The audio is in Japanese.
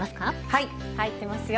はい、入ってますよ。